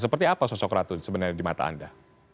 seperti apa sosok ratu sebenarnya di mata anda